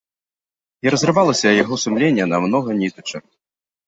І разрывалася яго сумленне на многа нітачак.